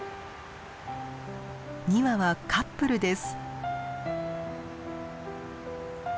２羽はカップルです。